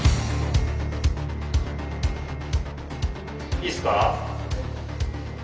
いいっすか？